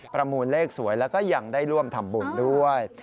มูลเลขสวยแล้วก็ยังได้ร่วมทำบุญด้วย